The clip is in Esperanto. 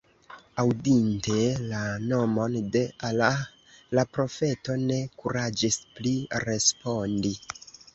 Aŭdinte la nomon de Allah, la profeto ne kuraĝis pli respondi.